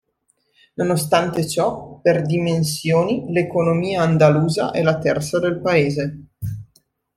Nonostante ciò, per dimensioni l'economia andalusa è la terza del paese.